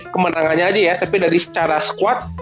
kemenangannya aja ya tapi dari secara squad